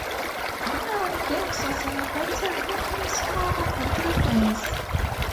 Funeral games were celebrated in his honor for three days.